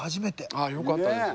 あよかったです。